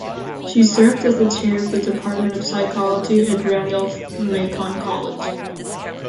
She served as the Chair of the Department of Psychology at Randolph-Macon College.